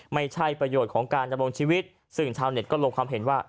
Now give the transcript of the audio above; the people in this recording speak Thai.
ไม่ใช่ประโยชน์ของการดำรงชีวิตซึ่งชาวเน็ตก็ลงความเห็นว่า